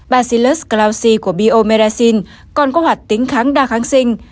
bacillus clausi của biomeracin còn có hoạt tính kháng đa kháng sinh